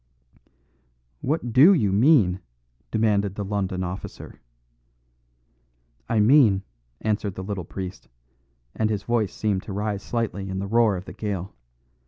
"What do you mean?" demanded the London officer. "I mean," answered the little priest, and his voice seemed to rise slightly in the roar of the gale.